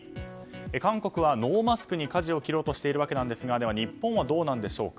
韓国はノーマスクにかじを切ろうとしていますが日本はどうなんでしょうか？